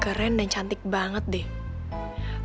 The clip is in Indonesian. keren dan cantik banget deh